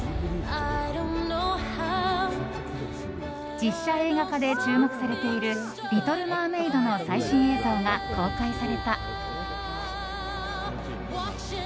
実写映画化で注目されている「リトル・マーメイド」の最新映像が公開された。